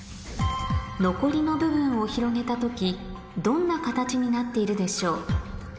残りの部分を広げた時どんな形になっているでしょう